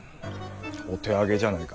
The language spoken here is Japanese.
お手上げじゃあないか。